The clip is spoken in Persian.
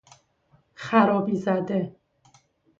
خرابی زده